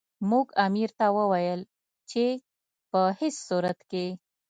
موږ امیر ته وویل چې په هیڅ صورت کې.